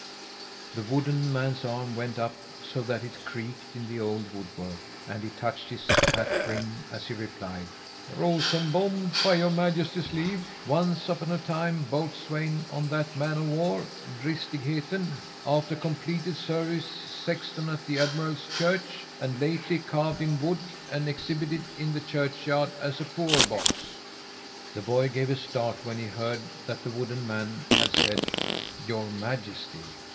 The wooden man's arm went up, so that it creaked in the old woodwork, and he touched his hat brim as he replied: "Rosenbom, by Your Majesty's leave. Once upon a time boatswain on the man of war, Dristigheten; after completed service, sexton at the Admiral's church and, lately, carved in wood and exhibited in the churchyard as a poor box." The boy gave a start when he heard that the wooden man said "Your Majesty."